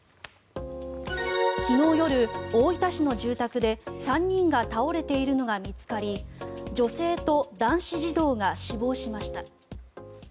昨日夜、大分市の住宅で３人が倒れているのが見つかり女性と男子児童が死亡しました。